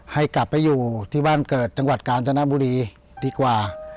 ให้กลับไปอยู่ที่บ้านเกิดจังหวัดกาญจนบุรีดีกว่า